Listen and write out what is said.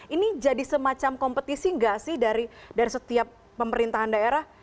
ini jadi semacam kompetisi tidak dari setiap pemerintahan daerah